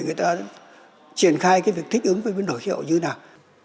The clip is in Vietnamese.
người ta triển khai cái việc thích ứng với biến đổi khí hậu như thế nào